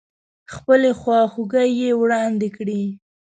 خپلې خواخوږۍ يې واړندې کړې.